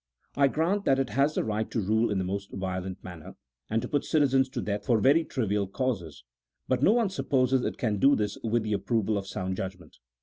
I grant that it has the right to rule in the most violent manner, and to put citizens to death for very trivial causes, but no one supposes it can do this with the approval of sound judgment.